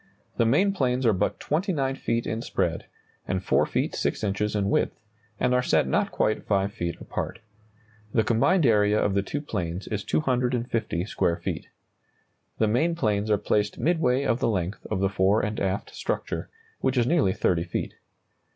The main planes are but 29 feet in spread, and 4 feet 6 inches in width, and are set not quite 5 feet apart. The combined area of the two planes is 250 square feet. The main planes are placed midway of the length of the fore and aft structure, which is nearly 30 feet.